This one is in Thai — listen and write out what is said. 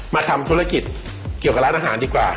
มาทำธุรกิจเกี่ยวกับร้านอาหารดีกว่า